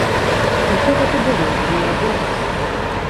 Усё гэта было і не адзін раз.